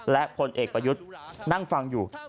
และพลเอกประยุทธ์นั่งฟังอยู่